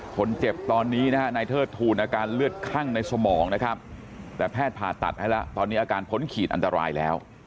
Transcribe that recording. คนเจ็บตอนนี้นะฮะนายเทิดทูลอาการเลือดคั่งในสมองนะครับแต่แพทย์ผ่าตัดให้แล้วตอนนี้อาการพ้นขีดอันตรายแล้ว